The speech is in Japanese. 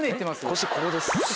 腰ここです。